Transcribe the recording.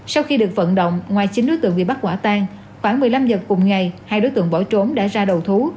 sau khi được vận động ngoài chín đối tượng bị bắt quả tan khoảng một mươi năm h cùng ngày hai đối tượng bỏ trốn đã ra đầu thú